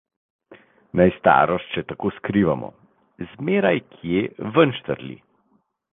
Naj starost še tako skrivamo, zmeraj kje ven štrli.